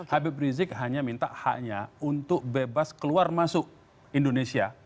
habib rizik hanya minta haknya untuk bebas keluar masuk indonesia